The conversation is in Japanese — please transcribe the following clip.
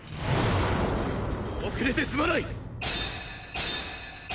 遅れてすまない！